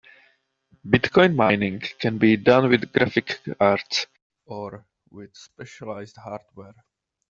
Bitcoin mining can be done with graphic cards or with specialized hardware.